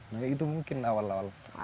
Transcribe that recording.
nah itu mungkin awal awal